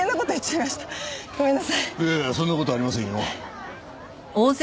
いやいやそんな事ありませんよ。